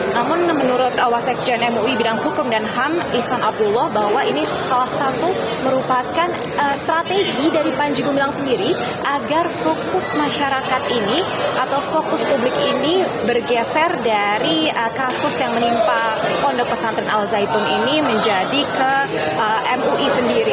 namun menurut wasakjan mui bidang hukum dan ham ihsan abdullah bahwa ini salah satu merupakan strategi dari panji gumilang sendiri agar fokus masyarakat ini atau fokus publik ini bergeser dari kasus yang menimpa pondok kesatuan al zaidun ini menjadi ke mui sendiri